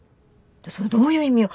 それどういう意味よ。